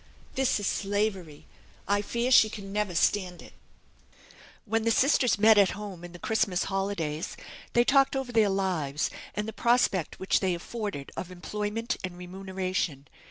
This is slavery. I fear she can never stand it." When the sisters met at home in the Christmas holidays, they talked over their lives, and the prospect which they afforded of employment and remuneration.